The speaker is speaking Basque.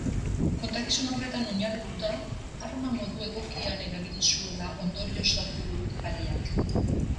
Kontakizun horretan oinarrituta, arma modu egokian erabili zuela ondorioztatu du epaileak.